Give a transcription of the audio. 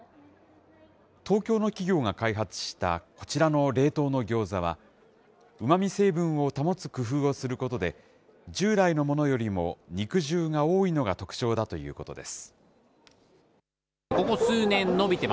東京の企業が開発したこちらの冷凍のギョーザは、うまみ成分を保つ工夫をすることで、従来のものよりも肉汁が多いのが特徴だということです。